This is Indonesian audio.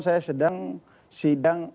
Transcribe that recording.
saya sedang sidang